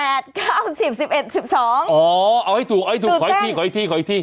เอาให้ถูกเอาให้ถูกขออีกทีขออีกทีขออีกที